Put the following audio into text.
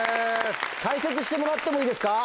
解説してもらってもいいですか？